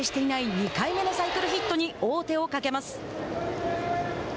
２回目のサイクルヒットに王手をかけます。